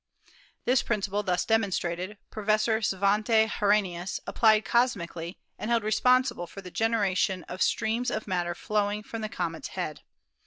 This grinciple thus demonstrated, Professor Svante Arrhenius 246 ASTRONOMY applied cosmically and held responsible for the gener ation of streams of matter flowing from the comet's head.